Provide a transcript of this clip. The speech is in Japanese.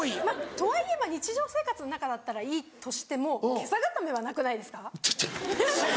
とはいえ日常生活の中だったらいいとしても袈裟固めはなくないですか？